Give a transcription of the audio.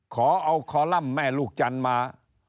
ขอเอาคอลัมป์แม่ลูกจันทร์มา